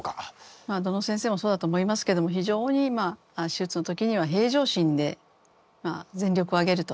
まあどの先生もそうだと思いますけども非常に手術の時には平常心で全力を挙げると。